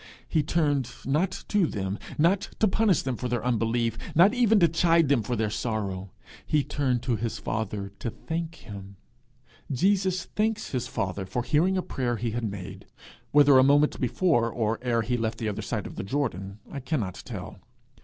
He turned, not to them, not to punish them for their unbelief, not even to chide them for their sorrow; he turned to his father to thank him. He thanks him for hearing a prayer he had made whether a moment before, or ere he left the other side of the Jordan, I cannot tell.